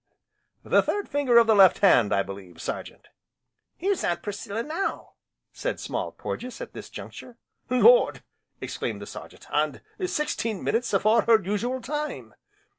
"The third finger of the left hand, I believe Sergeant." "Here's Aunt Priscilla now," said Small Porges, at this juncture. "Lord!" exclaimed the Sergeant, "and sixteen minutes afore her usual time!"